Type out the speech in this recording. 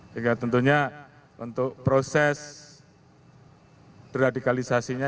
sehingga tentunya untuk proses deradikalisasinya